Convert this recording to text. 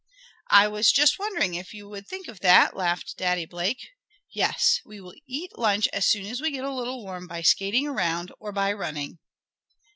"I was just wondering if you would think of that!" laughed Daddy Blake. "Yes, we will eat lunch as soon as we get a little warm by skating around, or by running."